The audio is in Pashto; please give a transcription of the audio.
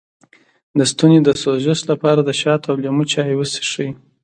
د ستوني د سوزش لپاره د شاتو او لیمو چای وڅښئ